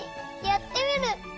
やってみる！